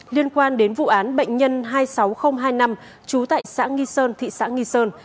liên quan đến vụ án bệnh nhân hai mươi sáu nghìn hai mươi năm trú tại xã nghi sơn thị xã nghi sơn